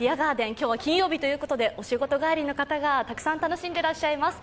今日は金曜日ということで、お仕事帰りの方がたくさん楽しんでいらっしゃいます。